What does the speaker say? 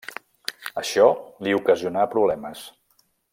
Això li ocasionà problemes.